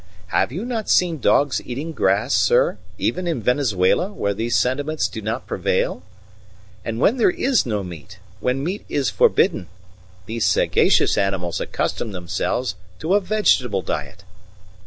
Have you not seen dogs eating grass, sir, even in Venezuela, where these sentiments do not prevail? And when there is no meat when meat is forbidden these sagacious animals accustom themselves to a vegetable diet."